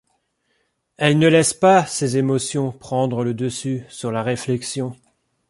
Elle ne laisse pas ses émotions prendre le dessus sur la réflexion.